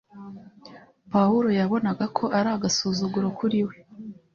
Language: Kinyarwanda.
Pawulo yabonaga ko ari agasuzuguro kuri we